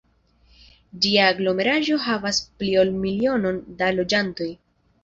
Ĝia aglomeraĵo havas pli ol milionon da loĝantoj.